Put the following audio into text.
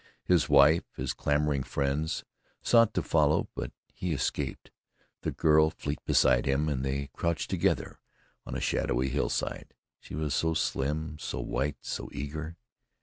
His wife, his clamoring friends, sought to follow, but he escaped, the girl fleet beside him, and they crouched together on a shadowy hillside. She was so slim, so white, so eager!